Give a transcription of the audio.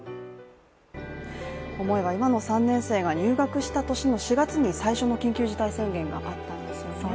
思えば今の３年生が入学した最初の年に、最初の緊急事態宣言があったんですよね。